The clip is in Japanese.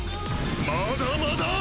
まだまだぁ！